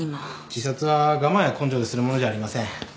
自殺は我慢や根性でするものじゃありません。